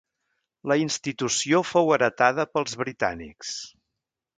La institució fou heretada pels britànics.